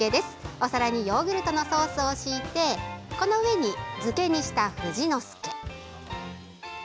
お皿にヨーグルトのソースを敷いてこの上に、漬けにした富士の介。